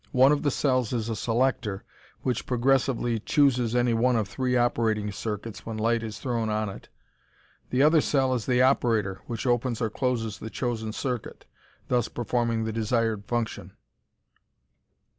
One of the cells is a selector, which progressively chooses any one of three operating circuits when light is thrown on it. The other cell is the operator, which opens or closes the chosen circuit, thus performing the desired function.